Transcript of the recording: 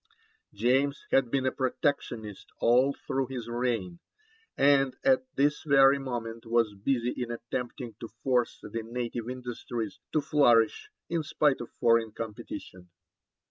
James had been a protectionist all through his reign, and at this very moment was busy in attempting to force the native industries to flourish in spite of foreign competition.